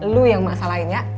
lu yang masalahin ya